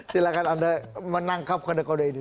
silahkan anda menangkap kode kode ini